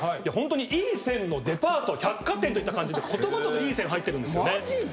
ホントにいい線のデパート百貨店といった感じでことごとくいい線入ってるんですよね。